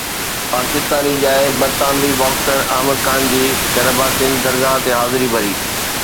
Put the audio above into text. پاڪستاني ڄائي برطانوي باڪسر عامر خان جي گهرڀاتين درگاهه تي حاضري ڀري